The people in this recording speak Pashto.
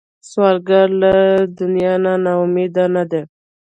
سوالګر له دنیا نه نا امیده نه دی